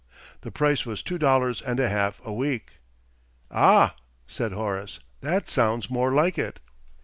The price was two dollars and a half a week. "Ah!" said Horace, "that sounds more like it."